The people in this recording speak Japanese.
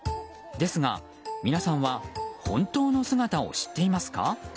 ですが、皆さんは本当の姿を知っていますか？